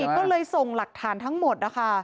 ก็เลยส่งหลักฐานทั้งหมดนะคะ